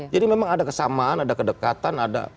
jadi memang ada kesamaan ada kedekatan ada